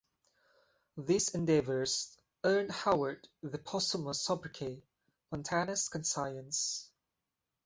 These endeavors earned Howard the posthumous sobriquet, Montana's Conscience.